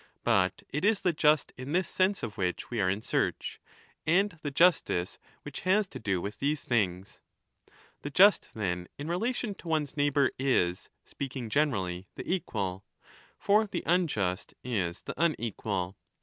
But it is the just in this sense of which we are in search, and the justice which has to do with these things. The just, then, in relation to one's neighbour is, speaking generally, the equal. For the unjust is the unequal.